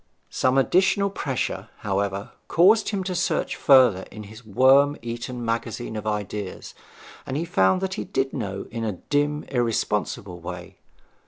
Some additional pressure, however, caused him to search further in his worm eaten magazine of ideas, and he found that he did know in a dim irresponsible way.